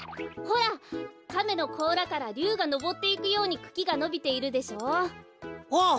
ほらかめのこうらからりゅうがのぼっていくようにくきがのびているでしょう。